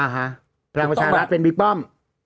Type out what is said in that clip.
ฮะภรรยาชาะเป็นวิทย์ป้อม